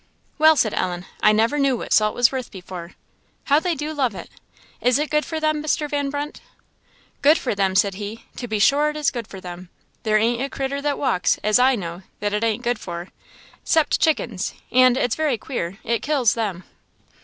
"Well," said Ellen, "I never knew what salt was worth before. How they do love it! Is it good for them, Mr. Van Brunt?" "Good for them!" said he "to be sure it is good for them. There ain't a critter that walks, as I know, that it ain't good for 'cept chickens, and, it's very queer, it kills them."